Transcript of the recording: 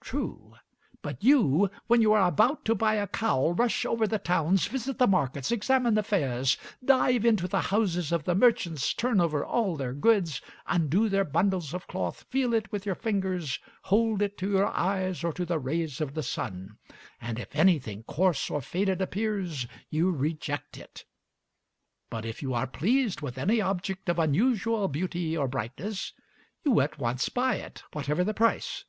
True; but you, when you are about to buy a cowl, rush over the towns, visit the markets, examine the fairs, dive into the houses of the merchants, turn over all their goods, undo their bundles of cloth, feel it with your fingers, hold it to your eyes or to the rays of the sun, and if anything coarse or faded appears, you reject it. But if you are pleased with any object of unusual beauty or brightness, you at once buy it, whatever the price.